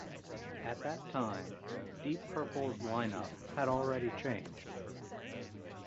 At that time Deep Purple's line-up had already changed.